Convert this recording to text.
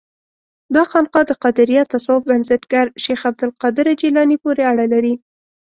دا خانقاه د قادریه تصوف بنسټګر شیخ عبدالقادر جیلاني پورې اړه لري.